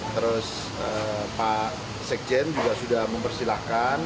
terus pak sekjen juga sudah mempersilahkan